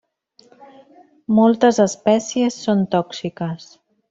Moltes espècies són tòxiques.